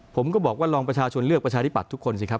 ผมก็บอกว่าลองประชาชนเลือกประชาธิบัตย์ทุกคนสิครับ